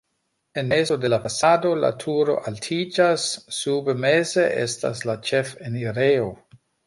En mezo de la fasado la turo altiĝas, sube meze estas la ĉefenirejo.